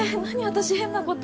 私変なこと